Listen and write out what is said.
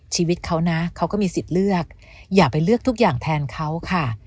ชีวิตเขานะเขาก็มีสิทธิ์เลือกอย่าไปเลือกทุกอย่างแทนเขาค่ะ